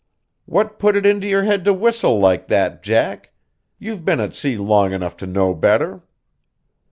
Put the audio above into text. "What put it into your head to whistle like that, Jack? You've been at sea long enough to know better."